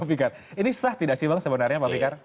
ini sah tidak sih bang sebenarnya pak fikar